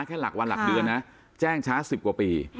แค่หลักวันหลักเดือนนะแจ้งช้า๑๐กว่าปี